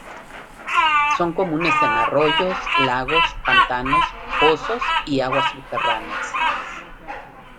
Son comunes en arroyos, lagos, pantanos, pozos y aguas subterráneas.